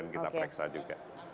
yang kita periksa juga